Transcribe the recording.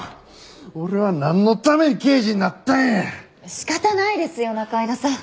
仕方ないですよ仲井戸さん。